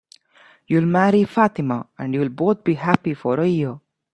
You'll marry Fatima, and you'll both be happy for a year.